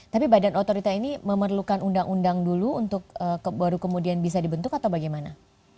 tapi badan otorita ini memerlukan undang undang dulu untuk baru kemudian bisa dibentuk atau bagaimana